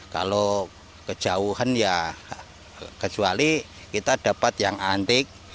kalau kejauhan ya kecuali kita dapat yang antik